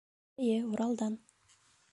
Эйе, Уралдан